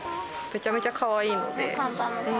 めちゃめちゃかわいいので。